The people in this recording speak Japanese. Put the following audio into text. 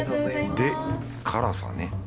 で辛さね。